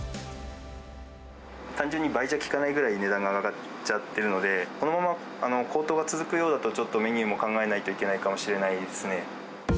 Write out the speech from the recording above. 単純に倍じゃきかないくらい値段が上がっちゃてるので、このまま高騰が続くようだと、ちょっとメニューも考えないといけないかもしれないですね。